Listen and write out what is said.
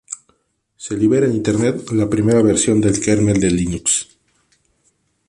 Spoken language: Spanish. Se libera en Internet la primera versión del kernel de Linux.